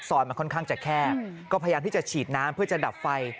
มันค่อนข้างจะแคบก็พยายามที่จะฉีดน้ำเพื่อจะดับไฟ